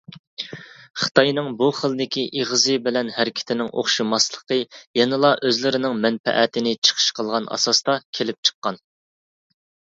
خىتاينىڭ بۇ خىلدىكى ئېغىزى بىلەن ھەرىكىتىنىڭ ئوخشىماسلىقى يەنىلا ئۆزلىرىنىڭ مەنپەئەتىنى چىقىش قىلغان ئاساستا كېلىپ چىققان.